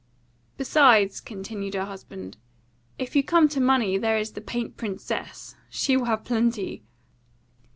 "Besides," continued her husband, "if you come to money, there is the paint princess. She will have plenty."